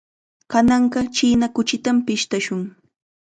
Kananqa china kuchitam pishtashun.